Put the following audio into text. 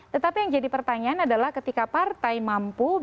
tetapi yang jadi pertanyaan adalah ketika partai mampu